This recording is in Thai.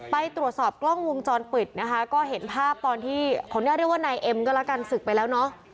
ไปตรวจสอบกล้องวงจรปิดนะคะก็เห็นภาพตอนที่ขออนุญาตเรียกว่านายเอ็มก็แล้วกันศึกไปแล้วเนอะ